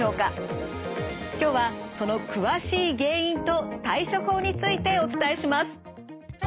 今日はその詳しい原因と対処法についてお伝えします。